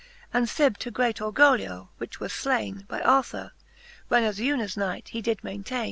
And fib to great OrgoliOy which was flalne By Arthure^ when as Unas Knight he did maintaine.